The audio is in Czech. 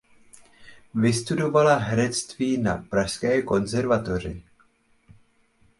Vystudovala herectví na Pražské konzervatoři.